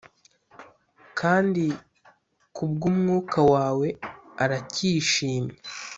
kandi kubwumwuka wawe aracyishimye,